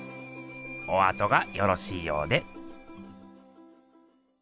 おあとがよろしいようで。